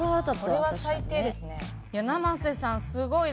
これは最低ですね。